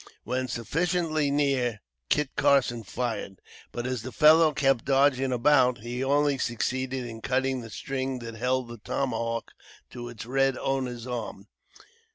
When sufficiently near, Kit Carson fired, but as the fellow kept dodging about, he only succeeded in cutting the string that held the tomahawk to its red owner's arm.